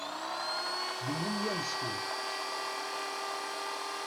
D neyya meskin.